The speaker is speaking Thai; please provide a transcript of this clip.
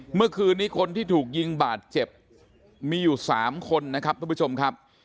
เมื่อคืนนี้คนที่ถูกยิงบาดเจ็บมีอยู่๓คนนะครับทุกผู้ชมครับ